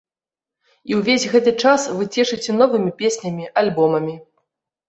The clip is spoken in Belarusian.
І ўвесь гэты час вы цешыце новымі песнямі, альбомамі.